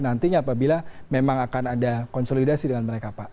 bagaimana anda melihat kemungkinan anda bisa berkoordinasi dengan sejumlah partai politik